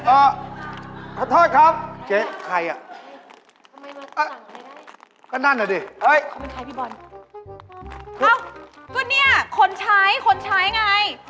เอ้าก็เนี่ยคนใช้คนใช้ไง